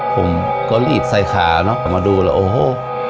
ผมก็รีดใส่ขาเนอะออกมาดูแล้วโอ้โห